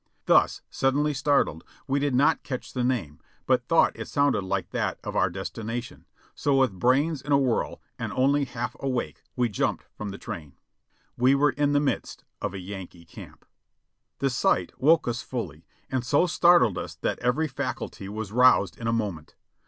Thus suddenly startled, we did not catch the name, but thought it sounded like that of our destination, so with brains in a whirl, and only half awake, w^e jumped from the train. We were in the midst of a Yankee camp. The sight woke us fully, and so startled us that every faculty was roused in a moment.